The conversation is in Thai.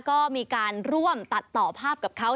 ก็มีการร่วมตัดต่อภาพกับเขา